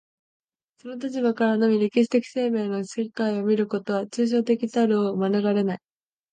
その立場からのみ歴史的生命の世界を見ることは、抽象的たるを免れない。